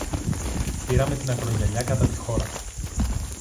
Πήραμε την ακρογιαλιά κατά τη χώρα